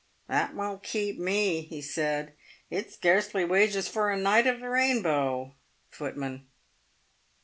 " That won't keep me," he said. " It's scarcely wages for a ' knight of the rainbow' (footman).